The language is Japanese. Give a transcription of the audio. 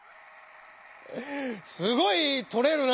すごい採れるな！